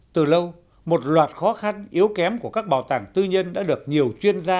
từ lâu một loạt khó khăn yếu kém của các bảo tàng tư nhân đã được nhiều chuyên gia